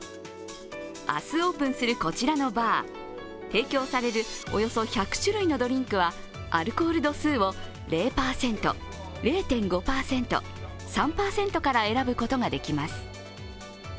明日オープンするこちらのバー提供されるおよそ１００種類のドリンクはアルコール度数を０％、０．５％、３％から選ぶことができます。